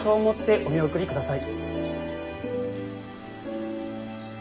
お直りください。